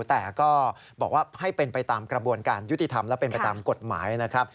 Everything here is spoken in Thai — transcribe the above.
แต่ก็บอกว่าให้เป็นไปตามกระบวนการยุติธรรมและเป็นไปตามกฎหมายนะครับ